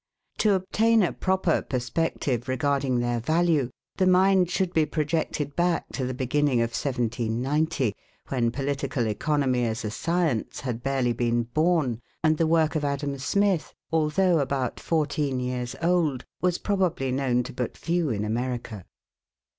To obtain a proper perspective regarding their value, the mind should be projected back to the beginning of 1790, when political economy as a science had barely been born, and the work of Adam Smith, although about fourteen years old, was probably known to but few in America.